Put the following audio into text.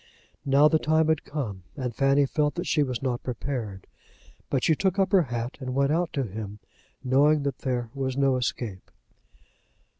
Now the time had come, and Fanny felt that she was not prepared. But she took up her hat, and went out to him, knowing that there was no escape.